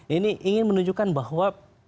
ini ingin menunjukkan bahwa